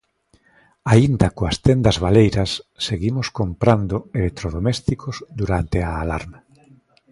Aínda coas tendas baleiras, seguimos comprando electrodomésticos durante a alarma.